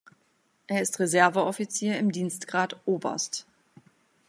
Er ist Reserveoffizier im Dienstgrad Oberst.